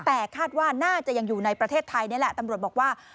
แต่คาดว่าน่าจะยังอยู่ในประเทศไทยนี่แหละตำรวจบอกว่า